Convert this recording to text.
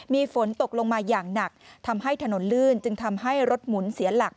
มีฝนตกลงมาอย่างหนักทำให้ถนนลื่นจึงทำให้รถหมุนเสียหลัก